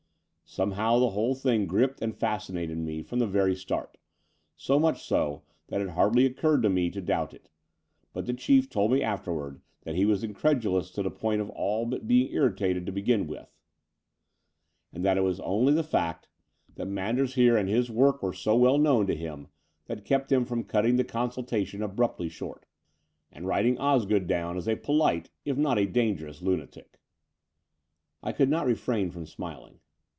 Somehow the whole thing gripped and fascinated me from the very start, so much so that it hardly occurred to me to doubt it : but the Chief told me afterwards that he was in credulous to the point of all but being irritated to begin with, and that it was only the fact that 232 The Door of the Unreal Manders here and his work were so well known to him that kept him from cutting the consultation abruptly short, and writing Osgood down as a polite, if not a dangerous, lunatic." I could not refrain from smiling.